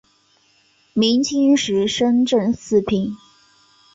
明清时升正四品。